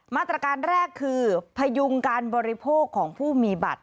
มาตรการแรกคือพยุงการบริโภคของผู้มีบัตร